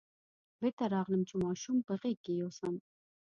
بېرته راغلم چې ماشوم په غېږ کې یوسم.